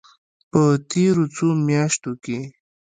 په تېرو څو میاشتو کې